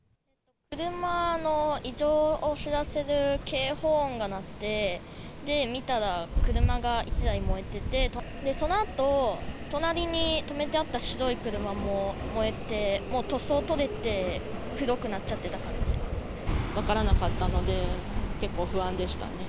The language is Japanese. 車の異常を知らせる警報音が鳴って、見たら、車が１台燃えてて、そのあと、隣に止めてあった白い車も燃えてもう塗装とれて、黒くなっちゃっ分からなかったので、結構不安でしたね。